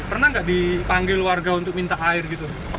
pernah nggak dipanggil warga untuk minta air gitu